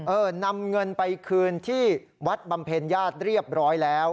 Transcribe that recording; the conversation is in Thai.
นำเงินไปคืนที่วัดบำเพ็ญญาติเรียบร้อยแล้ว